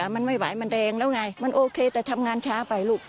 มันไม่ไหวมันแรงแล้วไงมันโอเคแต่ทำงานช้าไปลูก